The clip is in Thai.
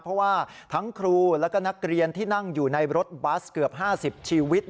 เพราะว่าทั้งครูแล้วก็นักเรียนที่นั่งอยู่ในรถบัสเกือบ๕๐ชีวิต